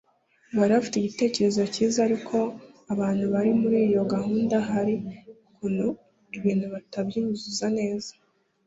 Bari bafite igitekerezo cyiza ariko abantu bari muri iyo gahunda hari ukuntu ibintu batabyuzuza neza